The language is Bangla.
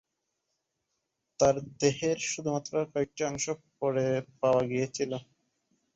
তার দেহের শুধুমাত্র কয়েকটি অংশ পরে পাওয়া গিয়েছিল।